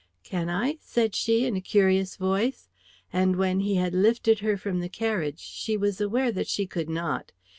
"Can I?" said she, in a curious voice; and when he had lifted her from the carriage, she was aware that she could not.